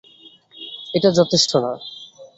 এটা যথেষ্ট না।